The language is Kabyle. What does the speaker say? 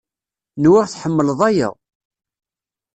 Nwiɣ tḥemmleḍ aya.